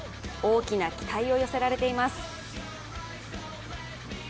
大きな期待を寄せられています。